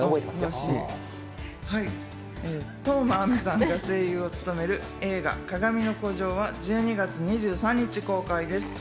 當真あみさんが声優を務める映画『かがみの孤城』は１２月２３日公開です。